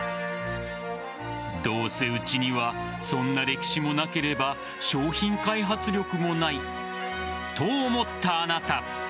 どうせ、うちにはそんな歴史もなければ商品開発力もないと思ったあなた。